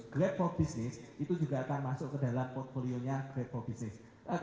grab for business itu juga akan masuk ke dalam portfolio nya grade for business